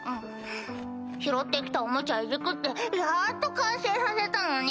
拾って来たおもちゃいじくってやっと完成させたのに。